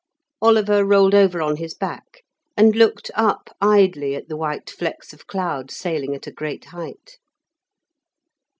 Oliver rolled over on his back, and looked up idly at the white flecks of cloud sailing at a great height.